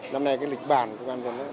năm nay lịch bản công an nhân dân